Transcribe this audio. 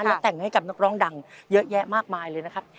และแต่งให้กับนักร้องดังเยอะแยะมากมายเลยนะครับ